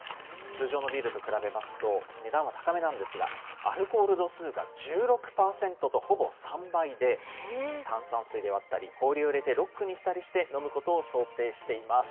通常のビールと比べますと値段は高めなんですが、アルコール度数が１６％と、ほぼ３倍で、炭酸水で割ったり、氷を入れてロックにしたりして、飲むことを想定しています。